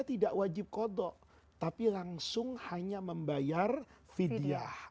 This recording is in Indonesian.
dia tidak wajib kodok tapi langsung hanya membayar fidriah